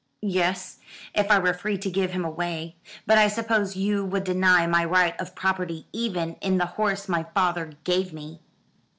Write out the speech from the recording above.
"Yes, if I were free to give him away; but I suppose you would deny my right of property even in the horse my father gave me."